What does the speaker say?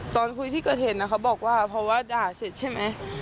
ตอนคุยที่เกิดเหตุนะเขาบอกว่าเพราะว่าด่าเสร็จใช่ไหม